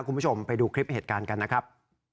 คุณผู้ชมไปดูคลิปเหตุการณ์กันนะครับ